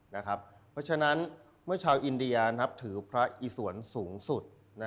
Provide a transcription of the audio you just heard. เพราะฉะนั้นเมื่อชาวอินเดียนับถือพระอิสวนสูงสุด